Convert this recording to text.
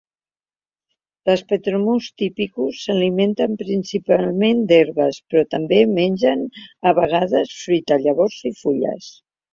Les petromus typicus s'alimenten principalment d'herbes, però també mengen a vegades fruita, llavors i fulles.